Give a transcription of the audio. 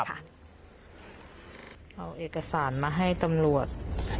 เอาเอกสารมาให้ตำรวจ